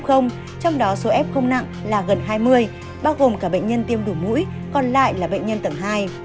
trong đó số f không nặng là gần hai mươi bao gồm cả bệnh nhân tiêm đủ mũi còn lại là bệnh nhân tầng hai